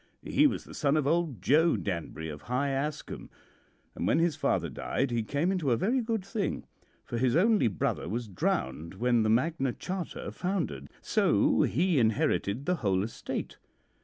He was the son of old Joe Danbury, of High Ascombe, and when his father died he came into a very good thing, for his only brother was drowned when the Magna Charta foundered, so he inherited the whole estate.